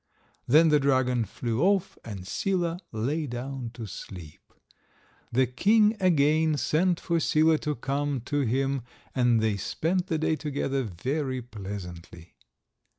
Then the dragon flew off and Sila lay down to sleep. The king again sent for Sila to come to him, and they spent the day together very pleasantly.